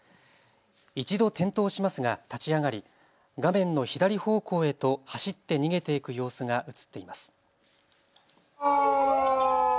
一度転倒しますが立ち上がり画面の左方向へと走って逃げていく様子が映っています。